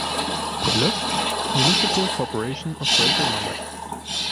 Quelle: Municipal Corporation of Greater Mumbai